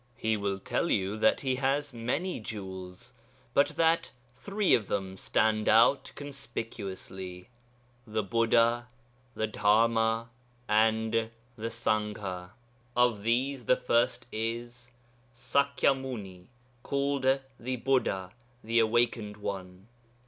He will tell you that he has many jewels, but that three of them stand out conspicuously the Buddha, the Dharma, and the Sangha. Of these the first is 'Sakya Muni, called the Buddha (the Awakened One).'